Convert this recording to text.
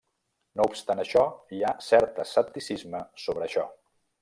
No obstant això, hi ha cert escepticisme sobre això.